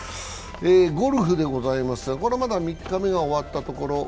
ゴルフでございますがこれはまだ３日目が終わったところ。